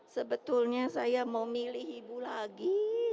sebetulnya saya mau milih ibu lagi